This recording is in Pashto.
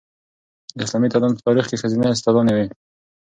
د اسلامي تمدن په تاریخ کې ښځینه استادانې وې.